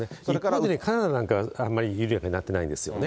特にカナダなんかはあまり緩やかになってないんですよね。